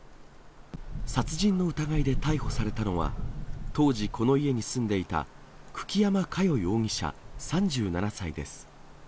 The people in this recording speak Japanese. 殺人の疑いで逮捕されたのは、当時、この家に住んでいた久木山佳代容疑者３７歳です。